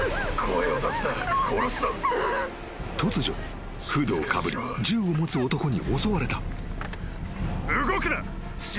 ［突如フードをかぶり銃を持つ男に襲われた］